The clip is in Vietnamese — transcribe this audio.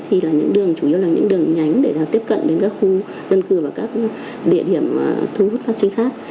thì là những đường chủ yếu là những đường nhánh để tiếp cận đến các khu dân cư và các địa điểm thú hút vắc xinh khác